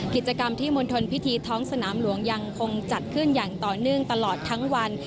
กิจกรรมที่มณฑลพิธีท้องสนามหลวงยังคงจัดขึ้นอย่างต่อเนื่องตลอดทั้งวัน